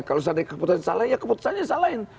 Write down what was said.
kalau salah ya keputusannya salahin